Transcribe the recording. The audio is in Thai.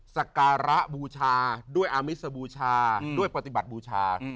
สการะบูชาด้วยอามิสบูชาด้วยปฏิบัติบูชา